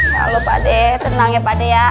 ya lho pak dema tenang ya pak dema